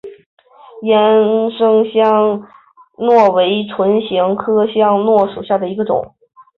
岩生香薷为唇形科香薷属下的一个种。